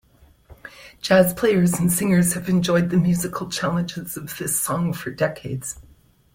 Jazz players and singers have enjoyed the musical challenges of this song for decades.